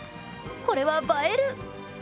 これは映える。